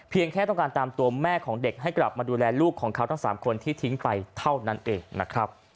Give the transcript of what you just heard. แค่ต้องการตามตัวแม่ของเด็กให้กลับมาดูแลลูกของเขาทั้ง๓คนที่ทิ้งไปเท่านั้นเองนะครับ